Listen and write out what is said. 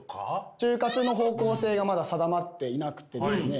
就活の方向性がまだ定まっていなくてですね